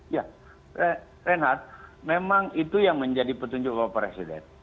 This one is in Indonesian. ya reinhardt memang itu yang menjadi petunjuk bapak presiden